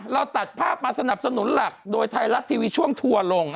เราตัดภาพมาสนับสนุนหลักโดยไทยรัฐทีวีช่วงทัวร์ลง